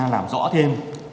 làm rõ thêm